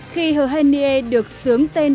khi heo hei nie được sướng tên